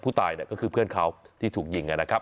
ผู้ตายเนี่ยก็คือเพื่อนเขาที่ถูกยิงนะครับ